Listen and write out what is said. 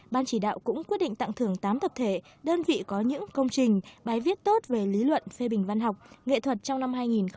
ban chỉ đạo cũng quyết định tặng thưởng tám tập thể đơn vị có những công trình bài viết tốt về lý luận phê bình văn học nghệ thuật trong năm hai nghìn một mươi tám